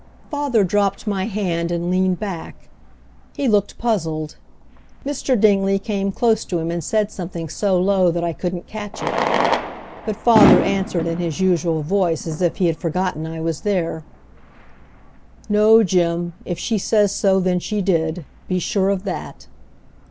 Father dropped my hand and leaned back. He looked puzzled. Mr. Dingley came close to him and said something so low that I couldn't catch it. But father answered in his usual voice as if he had forgotten I was there, "No, Jim, if she says so then she did be sure of that!"